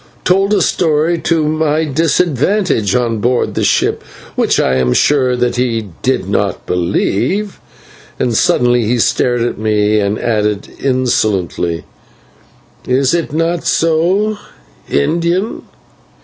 told a story to my disadvantage on board the ship, which I am sure that he did not believe," and suddenly he stared at me and added insolently: "Is it not so, Indian?"